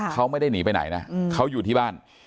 เขาไม่ได้หนีไปไหนนะเขาอยู่ที่บ้าน